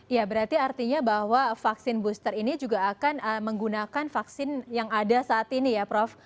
ya berarti artinya bahwa vaksin booster ini juga akan menggunakan vaksin yang ada saat ini ya prof